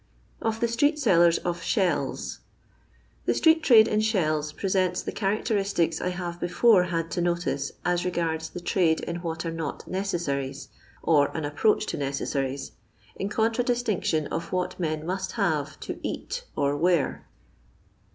Of TBI STBMV SaLLiBS or Shells. Thc street trade in shells presents the characteris tics I have before had to notice as regards the trade in what are not necessaries, or an approach to necessaries, in contradistinction of what men must have to eat or wear.